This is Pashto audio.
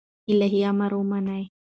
الهي امر ومانه